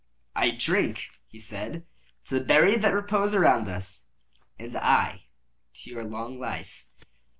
"I drink," he said, "to the buried that repose around us." "And I to your long life."